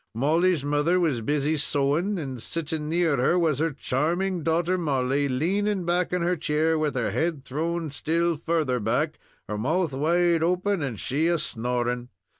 Molly's mother was busy sewing, and sitting near her was her charming daughter Molly, leaning back in her chair, with her head thrown still further back, her mouth wide open, and she a snoring.